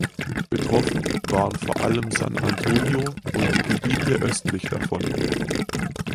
Betroffen waren vor allem San Antonio und die Gebiete östlich davon.